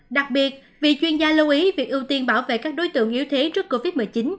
đặc biệt vì chuyên gia lưu ý việc ưu tiên bảo vệ các đối tượng yếu thế trước covid một mươi chín